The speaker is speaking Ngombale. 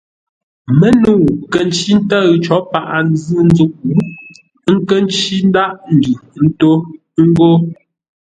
Mə́nəu kə̂ ncí ntə́ʉ có paghʼə-nzʉ̂ ńzúʼ, ə́ nkə́ ncí ńdághʼ ndʉ ntó ngô.